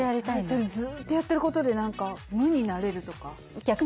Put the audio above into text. ずっとやってることで無になれるとか？